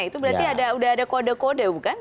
itu berarti sudah ada kode kode bukan